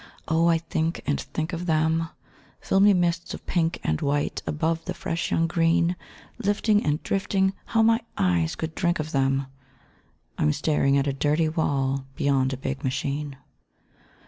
Oh, I think and think of them, Filmy mists of pink and white above the fresh, young green, Lifting and drifting, how my eyes could drink of them, _I'm staring at a dirty wall beyond a big machine.